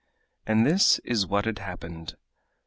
And this is what had happened.